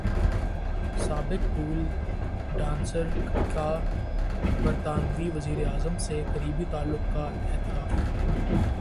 سابق pole dancer کا برطانوی وزیراعظم سے قریبی تعلق کا اعتراف